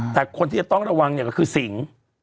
แต่คนที่จะต้องระวังเนี่ยก็คือสิง